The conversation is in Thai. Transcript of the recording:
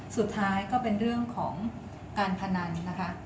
สุดท้ายก็เป็นเรื่องของการพนันนะคะ